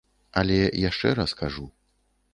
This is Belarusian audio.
Але, яшчэ раз кажу.